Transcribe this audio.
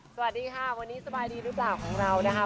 สวัสดีค่ะวันนี้สบายดีหรือเปล่าของเรานะคะ